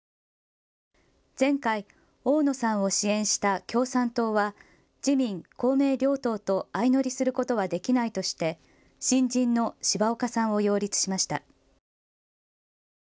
前回、大野さんを支援した共産党は自民公明両党と相乗りすることはできないとして新人の柴岡さんを擁立しました。